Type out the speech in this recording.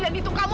dan itu kamu